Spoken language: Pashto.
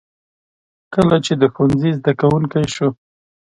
کله چې د ښوونځي زده کوونکی شو.